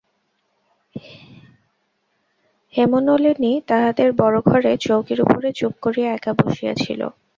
হেমনলিনী তাহাদের বড়ো ঘরে চৌকির উপরে চুপ করিয়া একা বসিয়া ছিল।